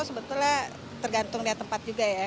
sebetulnya tergantung dari tempat juga ya